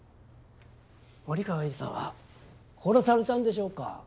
森川栄治さんは殺されたんでしょうか？